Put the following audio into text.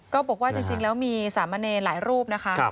ก็บอกว่าจริงแล้วมีสามเณรหลายรูปนะคะ